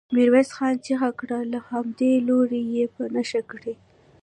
ميرويس خان چيغه کړه! له همدې لوړو يې په نښه کړئ.